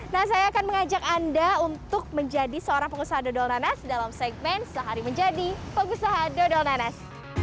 nah saya akan mengajak anda untuk menjadi seorang pengusaha dodol nanas dalam segmen sehari menjadi pengusaha dodol nanas